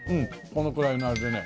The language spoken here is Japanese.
このくらいの味でね。